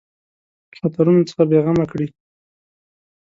خطرونو څخه بېغمه کړي.